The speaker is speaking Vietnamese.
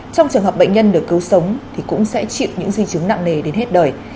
trong trường hợp bệnh nhân được cứu sống thì cũng sẽ chịu những di chứng nặng nề đến hết đời